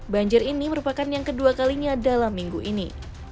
banjir ini merupakan yang kedua kalinya dalam minggu ini